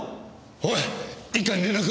おい一課に連絡。